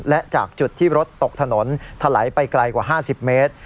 และจากจุดที่รถตกถนนถลายไปไกลกว่า๕๐เมตร